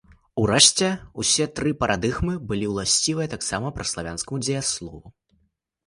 Урэшце, усе тры парадыгмы былі ўласцівыя таксама праславянскаму дзеяслову.